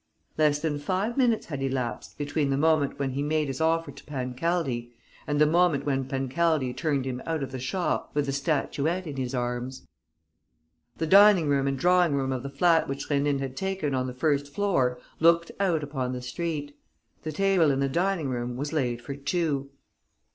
Less than five minutes had elapsed between the moment when he made his offer to Pancaldi and the moment when Pancaldi turned him out of the shop with a statuette in his arms. The dining room and drawing room of the flat which Rénine had taken on the first floor looked out upon the street. The table in the dining room was laid for two.